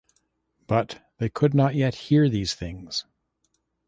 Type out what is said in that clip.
But they could not yet hear these things.